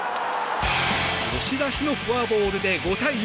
押し出しのフォアボールで５対４。